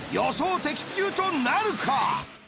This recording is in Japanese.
的中となるか？